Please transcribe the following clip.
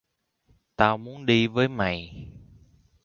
Tao muốn đi với mày